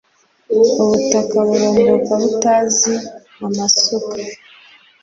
ubutaka burumbuka butazi amasuka